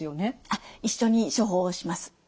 あっ一緒に処方します。